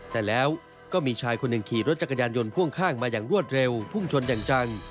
แต่แล้วก็มีชายคนหนึ่งขี่รถจักรยานยนต์พ่วงข้างมาอย่างรวดเร็วพุ่งชนอย่างจัง